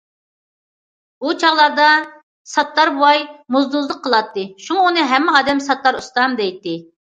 ئۇ چاغلاردا ساتتار بوۋاي موزدۇزلۇق قىلاتتى، شۇڭا ئۇنى ھەممە ئادەم ساتتار ئۇستام دەيتتى.